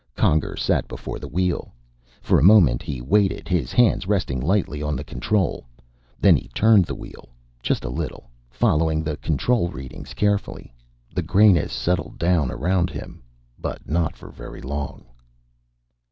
Conger sat before the wheel. For a moment he waited, his hands resting lightly on the control. Then he turned the wheel, just a little, following the control readings carefully. The grayness settled down around him. But not for very long.